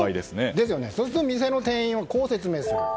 そうすると店の店員はこう説明する。